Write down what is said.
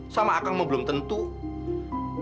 kamu tidak tentu dengan saya